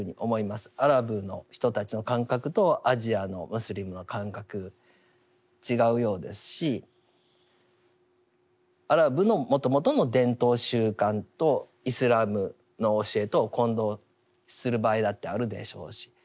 アラブの人たちの感覚とアジアのムスリムの感覚違うようですしアラブのもともとの伝統習慣とイスラムの教えとを混同する場合だってあるでしょうし。